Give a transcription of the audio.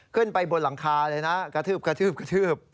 ขึ้นไปบนหลังคาเลยนะกระทืบ